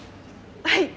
はい！